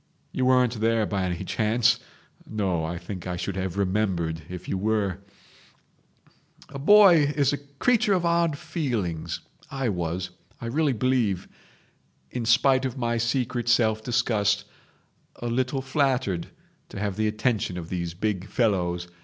You weren't there by any chance? No, I think I should have remembered if you were ..... "A boy is a creature of odd feelings. I was, I really believe, in spite of my secret self disgust, a little flattered to have the attention of these big fellows.